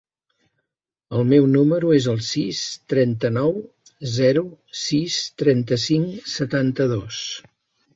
El meu número es el sis, trenta-nou, zero, sis, trenta-cinc, setanta-dos.